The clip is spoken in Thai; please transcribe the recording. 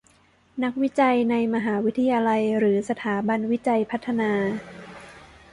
นักวิจัยในมหาวิทยาลัยหรือสถาบันวิจัยพัฒนา